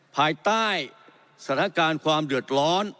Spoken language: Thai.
ภายใต้สถานการณ์ความเดือดร้อน